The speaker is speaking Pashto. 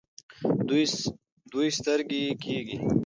دوی سترګۍ کیږي.